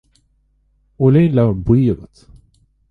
An bhfuil aon leabhar buí agat